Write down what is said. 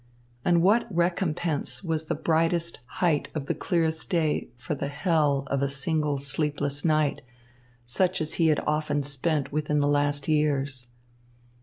And what recompense was the brightest height of the clearest day for the hell of a single sleepless night, such as he had often spent within the last years.